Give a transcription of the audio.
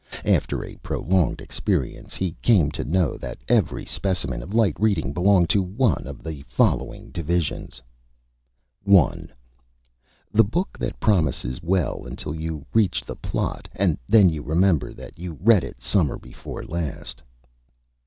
After a prolonged Experience he came to know that every Specimen of Light Reading belonged to one of the following Divisions: 1. The Book that Promises well until you reach the Plot, and then you Remember that you read it Summer before last.